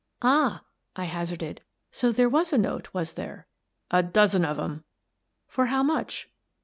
"Ah," I hazarded, "so there was a note, was there?" " A dozen of 'em." "For how much?"